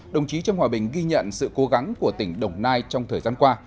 đồng chí trương hòa bình ghi nhận sự cố gắng của tỉnh đồng nai trong thời gian qua